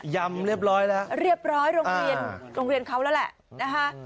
ยำเรียบร้อยแล้วเรียบร้อยโรงเรียนโรงเรียนเขาแล้วแหละนะคะ